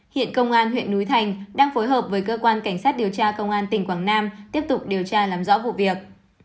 hiện công an huyện núi thành đang phối hợp với cơ quan cảnh sát điều tra công an tỉnh quảng nam tiếp tục điều tra làm rõ vụ việc